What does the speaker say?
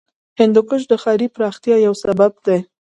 هندوکش د ښاري پراختیا یو سبب دی.